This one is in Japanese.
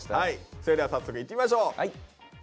それでは早速いってみましょう！